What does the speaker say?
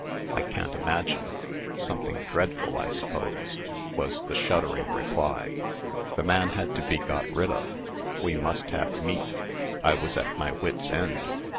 "I can't imagine. Something dreadful, I suppose," was the shuddering reply. "The man had to be got rid of. We must have meat. I was at my wits' end.